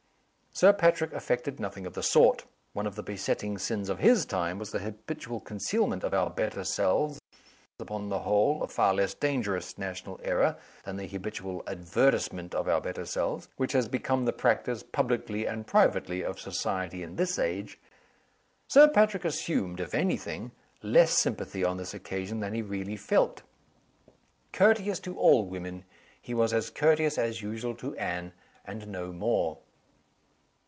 Sir Patrick affected nothing of the sort. One of the besetting sins of his time was the habitual concealment of our better selves upon the whole, a far less dangerous national error than the habitual advertisement of our better selves, which has become the practice, public and privately, of society in this age. Sir Patrick assumed, if anything, less sympathy on this occasion than he really felt. Courteous to all women, he was as courteous as usual to Anne and no more.